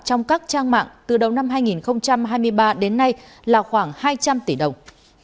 trong các trang mạng từ đầu năm hai nghìn hai mươi ba đến nay là khoảng hai trăm linh tỷ đồng